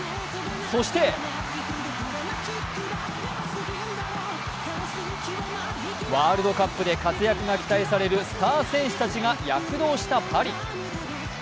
そしてワールドカップで活躍が期待されるスター選手たちが躍動したパリ。